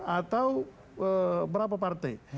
atau berapa partai